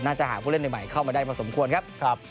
น่าจะหาผู้เล่นใหม่เข้ามาได้พอสมควรครับ